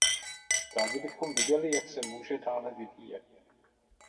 Rádi bychom viděli, jak se může dále vyvíjet.